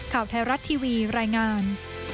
ข่าวไทยรัฐทีวีรายงาน